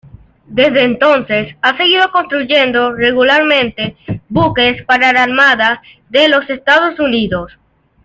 Desde entonces ha seguido construyendo regularmente buques para la Armada de los Estados Unidos.